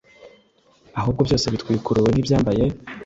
ahubwo byose bitwikuruwe nk’ibyambaye